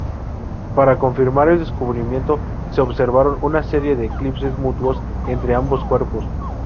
Para confirmar el descubrimiento se observaron una serie de eclipses mutuos entre ambos cuerpos.